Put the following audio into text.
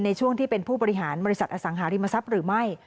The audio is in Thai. ในช่วงที่เป็นผู้บริหารบริษัทอสังหาริมทรัพย์หรือไม่